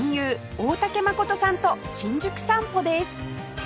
大竹まことさんと新宿散歩です